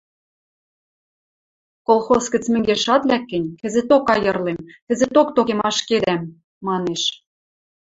«Колхоз гӹц мӹнгеш ат лӓк гӹнь, кӹзӹток айырлем, кӹзӹток токем ашкедам», – манеш.